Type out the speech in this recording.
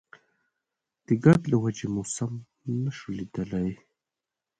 د ګرد له وجې مو سم نه شو ليدلی.